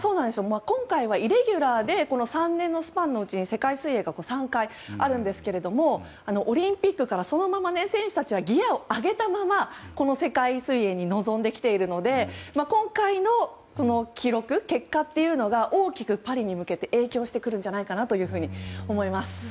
今回はイレギュラーで３年のスパンのうちに世界水泳が３回あるんですけどもオリンピックからそのまま選手たちはギアを上げたままこの世界水泳に臨んできているので今回の記録、結果というのが大きくパリに向けて影響してくるんじゃないかと思います。